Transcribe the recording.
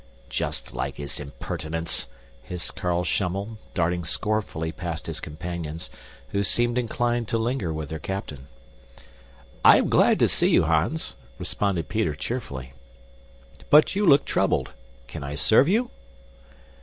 "Just like his impertinence," hissed Carl Schummel, darting scornfully past his companions, who seemed inclined to linger with their captain. "I am glad to see you, Hans," responded Peter cheerfully, "but you look troubled. Can I serve you?"